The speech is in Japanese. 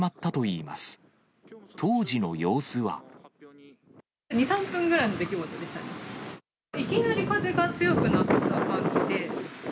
いきなり風が強くなった感じで。